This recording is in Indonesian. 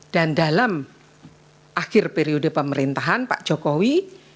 dan dalam akhir periode pemerintahan pak jokowi